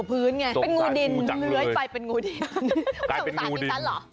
เป็นงูดินเหลือยไปเป็นงูดิน